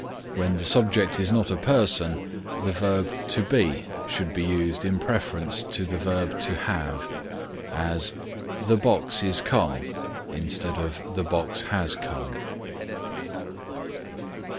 When the subject is not a person, the verb to be should be used in preference to the verb to have; as, "The box is come" instead of "The box has come."